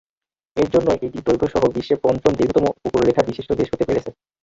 এর জন্যই এটি দৈর্ঘ্য সহ বিশ্বে পঞ্চম দীর্ঘতম উপকূলরেখা বিশিষ্ট দেশ হতে পেরেছে।